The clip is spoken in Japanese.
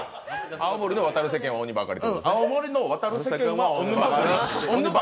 青森の「渡る世間は鬼ばかる」。